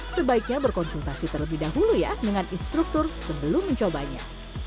sebaiknya berkonsultasi terlebih dahulu ya dengan instruktur sebelum mencobanya